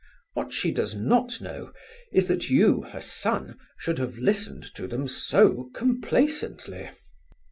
What she does not know is that you, her son, should have listened to them so complaisantly.